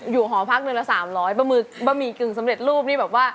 อยู่หอพักหนึ่งละ๓๐๐